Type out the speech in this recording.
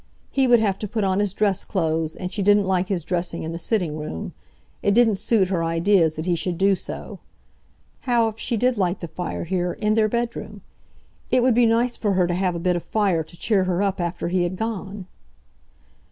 He would have to put on his dress clothes, and she didn't like his dressing in the sitting room. It didn't suit her ideas that he should do so. How if she did light the fire here, in their bedroom? It would be nice for her to have bit of fire to cheer her up after he had gone.